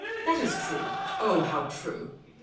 " That is true. Oh, how true